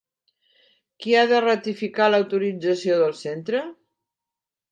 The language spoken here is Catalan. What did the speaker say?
Qui ha de ratificar l'autorització del centre?